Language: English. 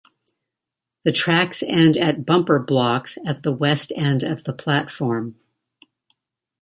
The tracks end at bumper blocks at the west end of the platform.